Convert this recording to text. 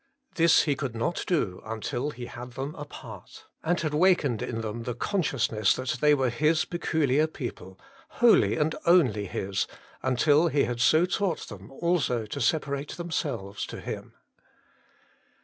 This He could not do until He had them apart, and had wakened in them the consciousness that they were His peculiar people, wholly and only His, until He had so taught them also to separate themselves to Him.